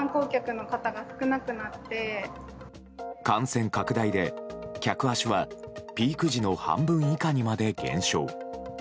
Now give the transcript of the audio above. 感染拡大で客足はピーク時の半分以下にまで減少。